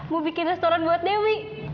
mau bikin restoran buat dewi